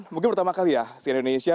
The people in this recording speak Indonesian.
mungkin pertama kali ya si indonesia